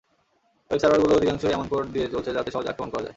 Web সার্ভারগুলোর অধিকাংশই এমন কোড দিয়ে চলছে যাতে সহজে আক্রমণ করা যায়।